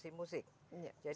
sertifikasi kompetensi musik